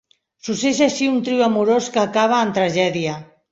Sorgeix així un trio amorós que acaba en tragèdia.